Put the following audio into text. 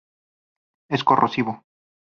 Es corrosivo.